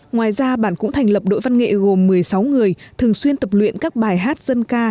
ngoài ra bản cũng thành lập đội văn nghệ gồm một mươi sáu người thường xuyên tập luyện các bài hát dân ca